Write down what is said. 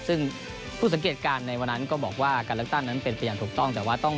ซึ่งผู้สังเกตการณ์ในวันนั้นก็บอกว่าการเลือกตั้งนั้นเป็นไปอย่างถูกต้องแต่ว่าต้อง